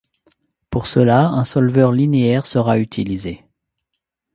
Pour cela, un solveur linéaire sera utilisé.